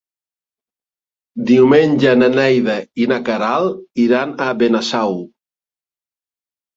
Diumenge na Neida i na Queralt iran a Benasau.